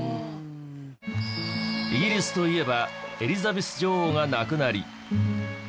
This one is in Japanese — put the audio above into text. イギリスといえばエリザベス女王が亡くなり。